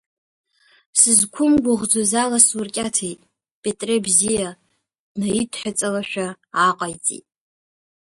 Сызқәымгәыӷӡоз ала суркьаҭеит, Петре бзиа, днаидҳәаҵалашәа ааҟаиҵеит.